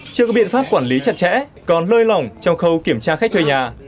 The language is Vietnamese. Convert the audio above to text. chưa có biện pháp quản lý chặt chẽ còn lơi lỏng trong khâu kiểm tra khách thuê nhà